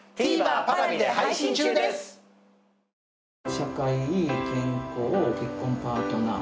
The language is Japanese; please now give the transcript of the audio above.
社会健康結婚パートナー。